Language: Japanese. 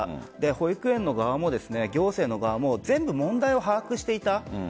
保育園側も行政側も全部問題を把握していた。